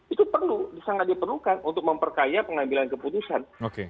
itu perlu sangat diperlukan untuk memperkaya pengambilan keputusan